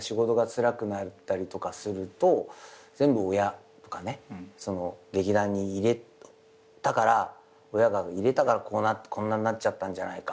仕事がつらくなったりとかすると全部親とかね劇団に入れたから親が入れたからこんなんなっちゃったんじゃないかみたいな。